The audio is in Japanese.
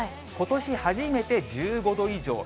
ことし初めて１５度以上。